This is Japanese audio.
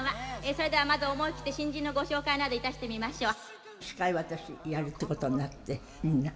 それでは、まずは思い切って新人のご紹介などをいたしてみましょう。